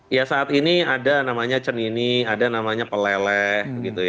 ya saat ini ada namanya cenini ada namanya peleleh